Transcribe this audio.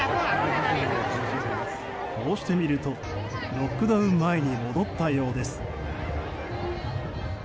こうして見るとロックダウン前に戻ったようです。